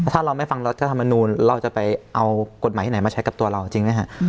ถ้าเราไม่ฟังรัฐธรรมนูลเราจะไปเอากฎหมายที่ไหนมาใช้กับตัวเราจริงไหมฮะ